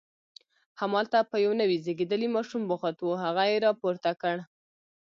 همالته په یو نوي زیږېدلي ماشوم بوخت و، هغه یې راپورته کړ.